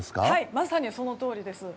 まさにそのとおりです。